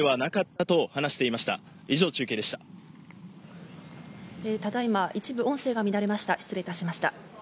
ただいま一部音声が乱れました、失礼いたしました。